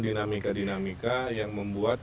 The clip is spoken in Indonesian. dinamika dinamika yang membuat